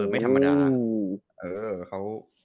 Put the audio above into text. ไม่ธรรมดา